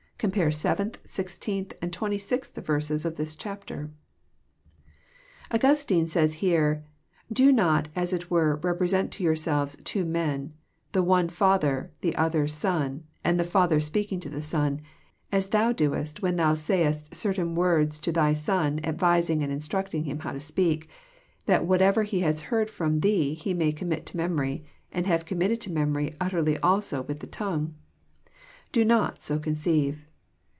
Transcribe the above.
Com pare 7th, 16th, and 26th verses of this chapter. Augnstine says here :'' Do not as it were represent to your selves two men, the one father, the other son, and the father speaking to the son, as thou doest when thou say est certain words to thy son advising and instructing him how to speak, that whatever he has heard from thee he may commit to mem ory, and having committed to memory utter also with the tongue. Do not so conceive.